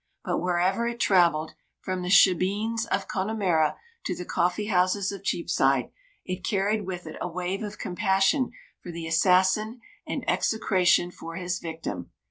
But wherever it travelled from the shebeens of Connemara to the coffee houses of Cheapside it carried with it a wave of compassion for the assassin and execration for his victim.